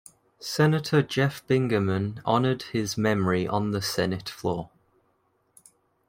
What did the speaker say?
Senator Jeff Bingaman honored his memory on the Senate floor.